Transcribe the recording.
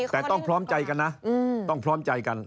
แต่ต้องพร้อมใจกันนะต้องพร้อมใจกัน